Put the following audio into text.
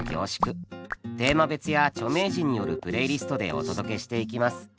テーマ別や著名人によるプレイリストでお届けしていきます。